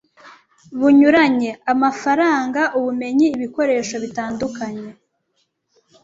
bunyuranye (amafaranga, ubumenyi, ibikoresho bitandukanye)